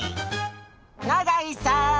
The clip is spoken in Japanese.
永井さん